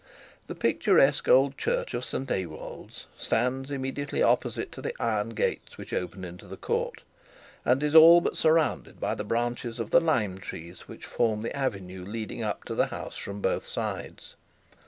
The picturesque old church of St Ewold's stands immediately opposite to the iron gates which open into the court, and is all but surrounded by the branches of lime trees, which form the avenue leading up to the house from both sides.